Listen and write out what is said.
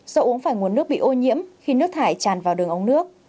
do uống phải nguồn nước bị ô nhiễm khi nước thải tràn vào đường ống nước